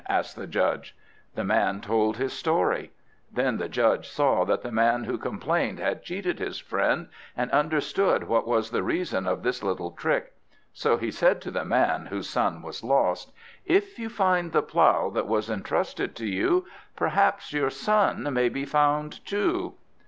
asked the judge. The man told his story. Then the judge saw that the man who complained had cheated his friend, and understood what was the reason of this little trick. So he said to the man whose son was lost: "If you find the plough that was entrusted to you, perhaps your son may be found too."